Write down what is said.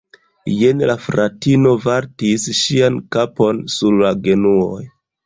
Jen la fratino vartis ŝian kapon sur la genuoj.